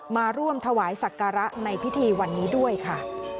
มาร่วมถวายศักระในพิธีวันนี้ด้วยค่ะ